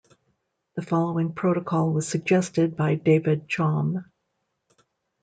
The following protocol was suggested by David Chaum.